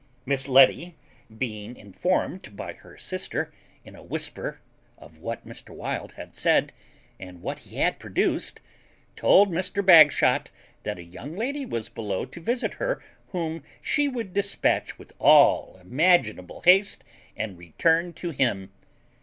Miss Letty, being informed by her sister in a whisper of what Mr. Wild had said, and what he had produced, told Mr. Bagshot that a young lady was below to visit her whom she would despatch with all imaginable haste and return to him.